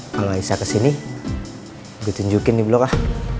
kalau aisyah kesini gue tunjukin nih blok lah